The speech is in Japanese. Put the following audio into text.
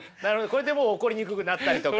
これでもう怒りにくくなったりとか。